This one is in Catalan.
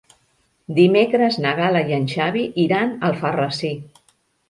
Dimecres na Gal·la i en Xavi iran a Alfarrasí.